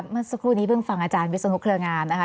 เมื่อสักครู่นี้เพิ่งฟังอาจารย์วิศนุเครืองามนะคะ